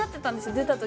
出た時。